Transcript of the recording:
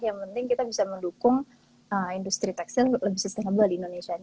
yang penting kita bisa mendukung industri tekstil lebih sustainable di indonesia